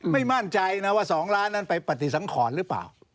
ไม่มั่นใจนะว่า๒ล้านนั้นไปปฏิสังขรหรือเปล่า